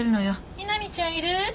美波ちゃんいる？